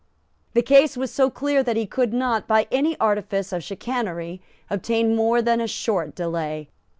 The case was so clear that he could not, by any artifice of chicanery, obtain more than a short delay.